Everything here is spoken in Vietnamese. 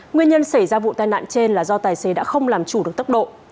nguyên nhân xảy ra vụ tai nạn trên là do tài xế đã không làm chủ được tốc độ